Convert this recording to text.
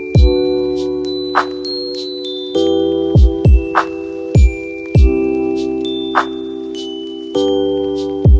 peh paham kah corruption ora apa blura pensando